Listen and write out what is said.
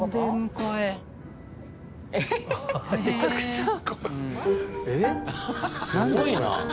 すごいな。